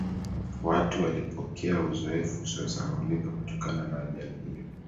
watu walipokea uzoefu usiosahaulika kutokana na ajali hiyo